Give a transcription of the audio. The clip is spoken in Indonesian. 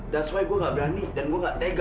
that's why gue gak berani dan gue gak tega